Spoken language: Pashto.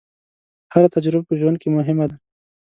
هره تجربه په ژوند کې مهمه ده.